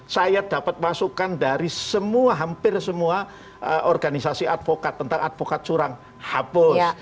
saya dapat masukan dari semua hampir semua organisasi advokat tentang advokat curang hapus